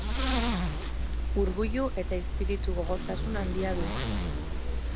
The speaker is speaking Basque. Urguilu eta izpiritu gogortasun handia du.